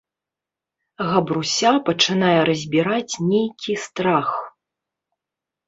Габруся пачынае разбiраць нейкi страх...